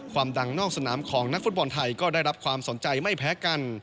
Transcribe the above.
ดังนอกสนามของนักฟุตบอลไทยก็ได้รับความสนใจไม่แพ้กัน